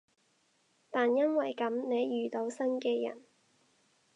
但因為噉，你遇到新嘅人